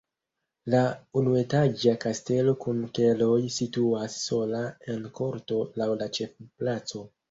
La unuetaĝa kastelo kun keloj situas sola en korto laŭ la ĉefplaco.